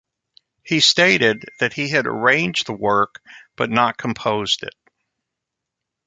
He stated that he had arranged the work but not composed it.